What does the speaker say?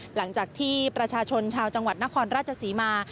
หลังจากที่ประชาชนชาวจังหวัดนครราชศรีมา